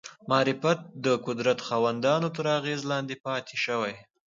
معرفت د قدرت خاوندانو تر اغېزې لاندې پاتې شوی